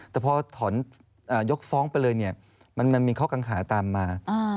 แต่พอยกฟ้องไปเลยมันมีเคราะห์กังหาตามมา